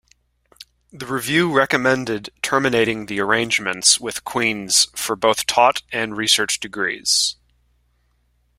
The review recommended terminating the arrangements with Queen's for both taught and research degrees.